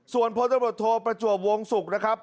ส่วนพระเจ้าบทโทษประจวบวงศุกร์นะครับ